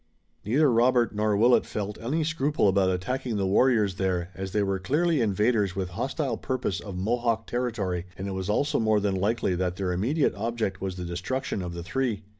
Neither Robert nor Willet felt any scruple about attacking the warriors there, as they were clearly invaders with hostile purpose of Mohawk territory, and it was also more than likely that their immediate object was the destruction of the three.